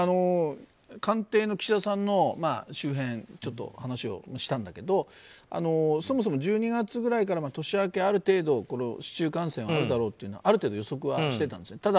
官邸の岸田さんの周辺ちょっと話をしたんだけどそもそも１２月くらいから年明けある程度、市中感染があるだろうというのはある程度予測はしてたんですね。